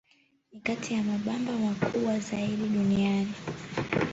Ni kati ya mabamba makubwa zaidi duniani.